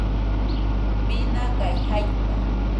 binagai jaita